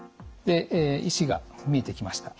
石が見えてきました。